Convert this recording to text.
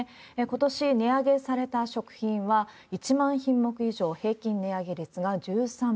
ことし値上げされた食品は１万品目以上、平均値上げ率が１３％。